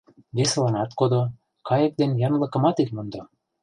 Весыланат кодо, кайык ден янлыкымат ит мондо.